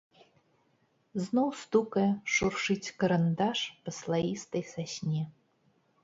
Зноў стукае, шуршыць карандаш па слаістай сасне.